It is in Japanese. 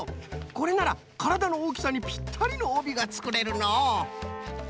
これならからだのおおきさにピッタリのおびがつくれるのう。